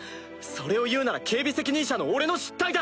それを言うなら警備責任者の俺の失態だ！